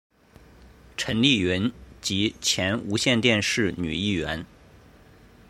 陈丽云及前无线电视女艺员。